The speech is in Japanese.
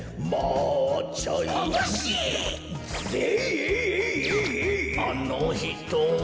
「あのひとは」